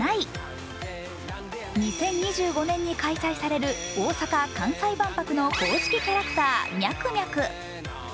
２０２５年に開催される大阪・関西万博の公式キャラクター、ミャクミャク。